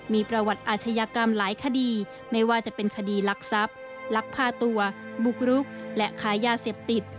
มีประวัติอาชญากรรมหลายคดีไม่ว่าจะเป็นคดีลักทรัพย์ลักพาตัวบุกรุกและค้ายาเสพติด